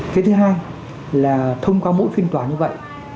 cái thứ hai là thông qua mỗi phiên tòa như vậy